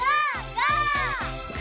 ゴー！